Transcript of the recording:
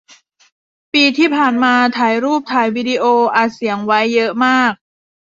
ปีที่ผ่านมา ถ่ายรูป ถ่ายวีดิโอ อัดเสียง ไว้เยอะมาก